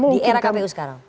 di era kpu sekarang